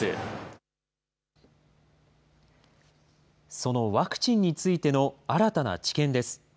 そのワクチンについての新たな知見です。